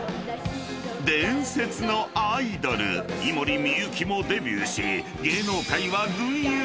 ［伝説のアイドル井森美幸もデビューし芸能界は］